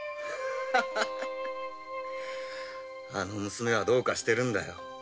あの娘はどうかしてるよ